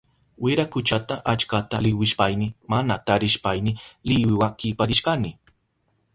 Wirakuchata achkata liwishpayni mana tarishpayni liwiwa kiparishkani.